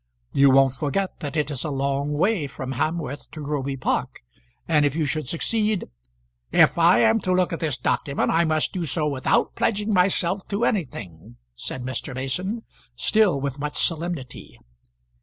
You won't forget that it is a long way from Hamworth to Groby Park. And if you should succeed " "If I am to look at this document, I must do so without pledging myself to anything," said Mr. Mason, still with much solemnity.